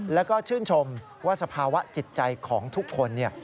แล้วก็ชื่นชมว่าสภาวะจิตใจของทุกคน